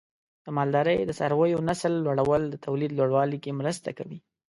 د مالدارۍ د څارویو نسل لوړول د تولید لوړوالي کې مرسته کوي.